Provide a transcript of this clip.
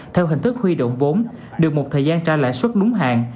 theo hình thức huy động vốn được một thời gian tra lãi suất đúng hạn